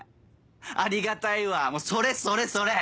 ありがたいわそれそれそれ！